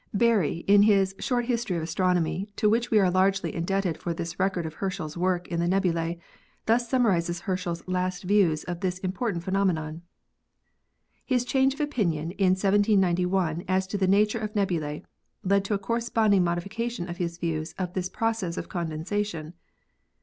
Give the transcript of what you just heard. Berry, in his 'Short History of Astronomy,' to which we are largely indebted for this record of Herschel's work in the nebulae, thus summarizes Herschel's last views of this important phenomenon: "His change of opinion in 1791 as to the nature of nebulae led to a corresponding modification of his views of this process of condensation.